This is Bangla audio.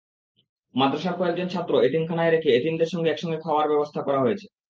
মাদ্রাসার কয়েকজন ছাত্র এতিমখানায় রেখে এতিমদের সঙ্গে একসঙ্গে খাওয়ার ব্যবস্থা করা হয়েছে।